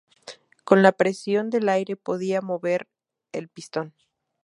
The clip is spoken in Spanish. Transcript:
Con la presión del aire podía mover el pistón.